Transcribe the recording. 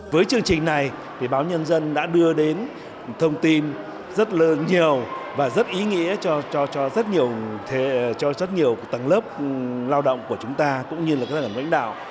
với chương trình này thì báo nhân dân đã đưa đến thông tin rất là nhiều và rất ý nghĩa cho rất nhiều tầng lớp lao động của chúng ta cũng như là các ngành đạo